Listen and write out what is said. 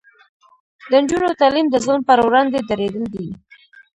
د نجونو تعلیم د ظلم پر وړاندې دریدل دي.